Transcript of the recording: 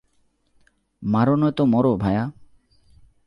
মারো নয়তো মরো, ভায়া।